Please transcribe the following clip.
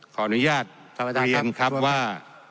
ขออนุญาตเรียนครับว่า